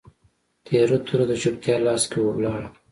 تیره توره د چوپتیا لاس کي ولاړه